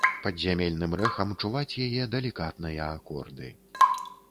Падзямельным рэхам чуваць яе далікатныя акорды.